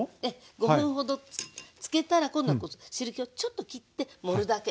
５分ほどつけたら今度汁けをちょっときって盛るだけ。